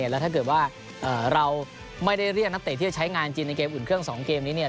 แล้วถ้าเกิดว่าเราไม่ได้เรียกนักเตะที่จะใช้งานจริงในเกมอุ่นเครื่อง๒เกมนี้เนี่ย